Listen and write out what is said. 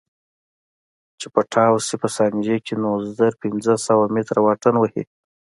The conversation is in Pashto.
چې پټاو سي په ثانيه کښې نو زره پنځه سوه مټره واټن وهي.